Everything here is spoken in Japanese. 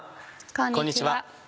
こんにちは。